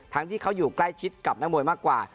ที่เขาอยู่ใกล้ชิดกับนักมวยมากกว่า